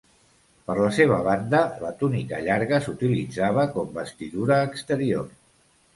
Per la seva banda la túnica llarga s'utilitzava com vestidura exterior.